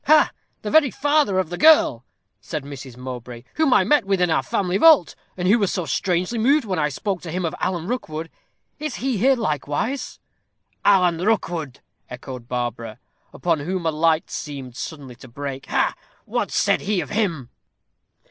"Ha, the very father of the girl!" said Mrs. Mowbray, "whom I met within our family vault, and who was so strangely moved when I spoke to him of Alan Rookwood. Is he here likewise?" "Alan Rookwood!" echoed Barbara, upon whom a light seemed suddenly to break; "ha! what said he of him?"